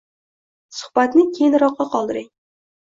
Suhbatni keyinroqqa qoldiring.